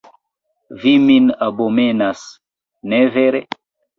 Vi min abomenas, ne vere?